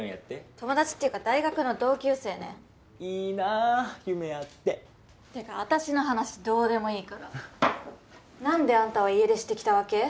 友達っていうか大学の同級生ねいいな夢あってってか私の話どうでもいいからなんであんたは家出してきたわけ？